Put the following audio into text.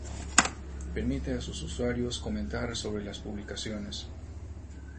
Permite a sus usuarios comentar sobre las publicaciones.